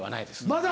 まだ？